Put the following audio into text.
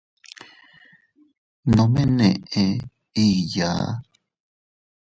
Nome neʼe igyaa.